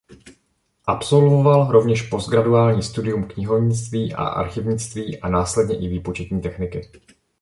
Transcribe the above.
Absolvoval rovněž postgraduální studium knihovnictví a archivnictví a následně i výpočetní techniky.